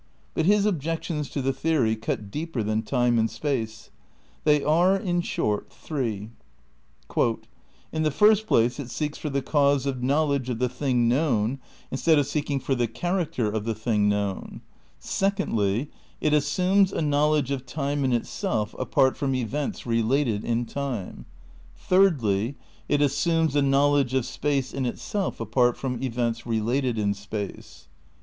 But his objections to the theory cut deeper than time and space. They are in short, three : "In the first place it seeks for the cause of knowledge of the thing known instead of seeking for the character of the thing known: secondly it assumes a knowledge of time in itself apart from events related in time : thirdly it assumes a knowledge of space in itself apart from events related in space."